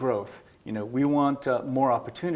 kita ingin lebih banyak kesempatan